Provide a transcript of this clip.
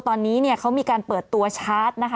ตอนนี้เนี่ยเขามีการเปิดตัวชาร์จนะคะ